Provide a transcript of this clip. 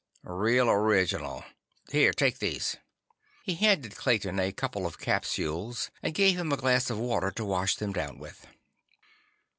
"Real original. Here, take these." He handed Clayton a couple of capsules, and gave him a glass of water to wash them down with.